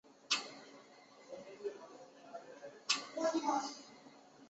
红尾翎为禾本科马唐属下的一个种。